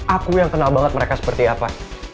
aku yang kenal banget mereka seperti apa